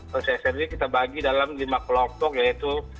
proses smp kita bagi dalam lima kelompok yaitu